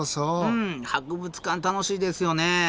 うん博物館楽しいですよね。